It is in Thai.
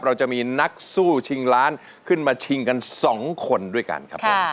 เราจะมีนักสู้ชิงล้านขึ้นมาชิงกัน๒คนด้วยกันครับผม